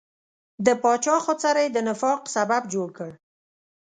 د پاچا خودسرۍ د نفاق سبب جوړ کړ.